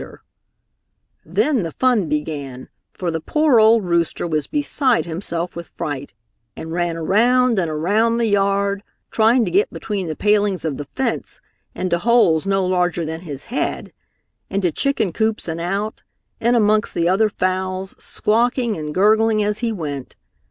Then the fun began, for the poor old rooster was beside himself with fright, and ran around and around the yard, trying to get between the palings of the fence, into holes no larger than his head, into chicken coops and out, in amongst the other fowls, squawking and gurgling as he went.